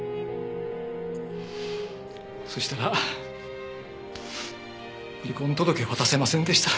そしたら離婚届渡せませんでした。